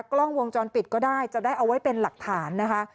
กล้องวงจรปิดก็ได้จะได้เอาไว้เป็นหลักฐานนะคะ